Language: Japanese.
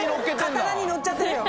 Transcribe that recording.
刀にのっちゃってるよ。